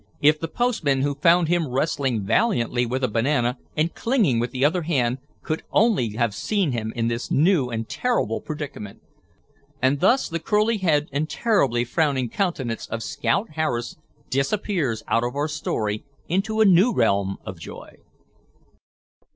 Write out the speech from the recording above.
If the postman who found him wrestling valiantly with a banana and clinging with the other hand, could only have seen him in this new and terrible predicament! And thus the curly head and terribly frowning countenance of Scout Harris disappears out of our story into a new realm of joy....